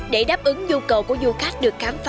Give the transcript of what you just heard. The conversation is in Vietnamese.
để đáp ứng nhu cầu của du khách được khám phá